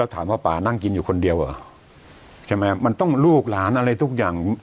ถามว่าป่านั่งกินอยู่คนเดียวเหรอใช่ไหมมันต้องลูกหลานอะไรทุกอย่าง